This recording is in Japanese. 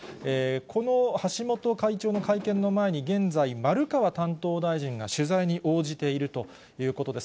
この橋本会長の会見の前に、現在、丸川担当大臣が取材に応じているということです。